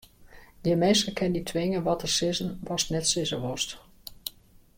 Gjin minske kin dy twinge wat te sizzen watst net sizze wolst.